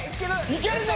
いけるぞ！